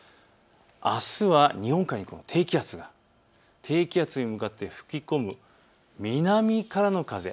あすは日本海に低気圧があって低気圧に向かって吹き込む南からの風。